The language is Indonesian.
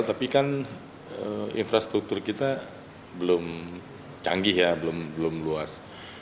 tapi kan infrastruktur kita belum canggih ya belum luas